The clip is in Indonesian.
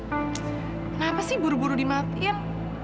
kenapa sih buru buru dimatiin